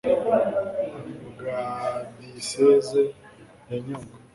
bwa diyiseze ya nyungwe